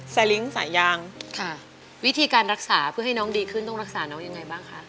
ลิงค์สายยางค่ะวิธีการรักษาเพื่อให้น้องดีขึ้นต้องรักษาน้องยังไงบ้างคะ